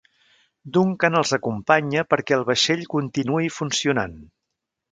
Duncan els acompanya perquè el vaixell continuï funcionant.